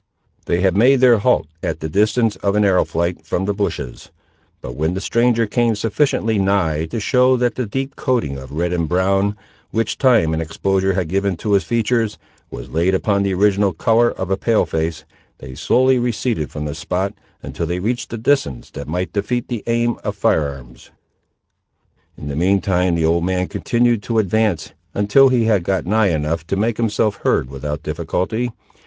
They had made their halt at the distance of an arrow flight from the bushes; but when the stranger came sufficiently nigh to show that the deep coating of red and brown, which time and exposure had given to his features, was laid upon the original colour of a Pale face, they slowly receded from the spot, until they reached a distance that might defeat the aim of fire arms. In the mean time the old man continued to advance, until he had got nigh enough to make himself heard without difficulty.